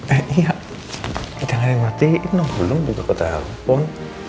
eh iya jangan yang mati ini belum belum buka ke telpon